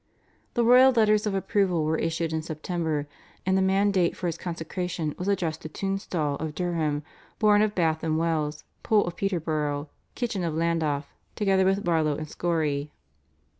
The royal letters of approval were issued in September, and the mandate for his consecration was addressed to Tunstall of Durham, Bourne of Bath and Wells, Poole of Peterborough, Kitchin of Llandaff, together with Barlow and Scory.